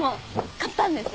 買ったんです。